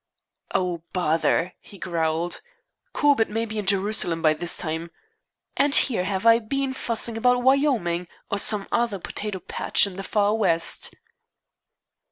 "Oh, bother," he growled. "Corbett may be in Jerusalem by this time. And here have I been fussing about Wyoming or some other potato patch in the Far West."